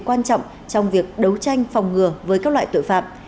quan trọng trong việc đấu tranh phòng ngừa với các loại tội phạm